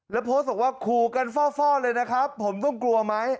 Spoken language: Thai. แล้วโพสต์บอกว่าขู่กันฟ่อเลยนะครับผมต้องกลัวไหม